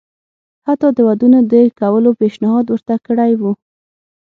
حتی د ودونو د کولو پېشنهاد ورته کړی وو.